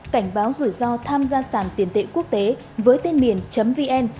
cảnh báo rủi ro tham gia sàn tiền tệ quốc tế với tên miền vn